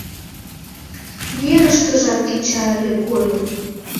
Верыштыжак кеча ыле гойо.